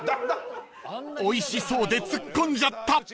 ［おいしそうで突っ込んじゃった！］